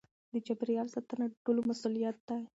د چاپیریال ساتنه د ټولو مسؤلیت دی.